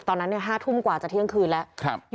ตอนนั้น๕ทุ่มกว่าจะเที่ยงคืนแล้ว